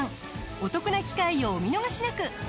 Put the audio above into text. お得な機会をお見逃しなく！